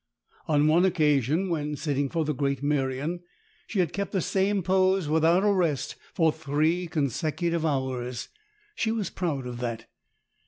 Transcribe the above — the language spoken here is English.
On one occasion, when sitting for the great Merion, she had kept the same pose, without a rest, for three consecutive hours. She was proud of that.